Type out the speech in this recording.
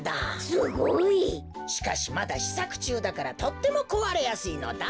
すごい！しかしまだしさくちゅうだからとってもこわれやすいのだ。